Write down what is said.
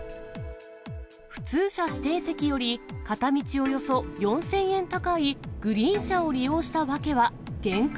普通車指定席より片道およそ４０００円高いグリーン車を利用